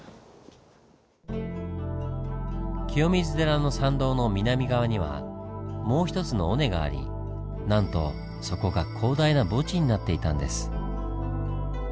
清水寺の参道の南側にはもう一つの尾根がありなんとそこが広大な墓地になっていたんです。